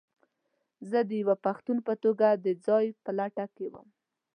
زه د یوه پښتون په توګه د ځاى په لټه کې وم.